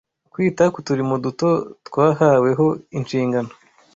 Kwita ku turimo duto twahaweho inshingano